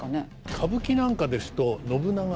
歌舞伎なんかですと信長